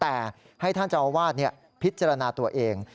แต่ให้ท่านเจ้าอาวาสพิจารณาตัวเอง